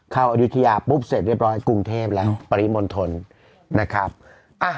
อายุทยาปุ๊บเสร็จเรียบร้อยกรุงเทพแล้วปริมณฑลนะครับ